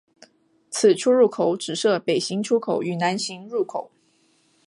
此出入口只设北行出口与南行入口。